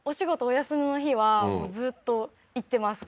お休みの日はずっと行ってます